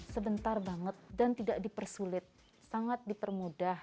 sebentar banget dan tidak dipersulit sangat dipermudah